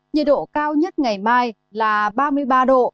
nhiệt độ cao nhất ngày mai là ba mươi ba độ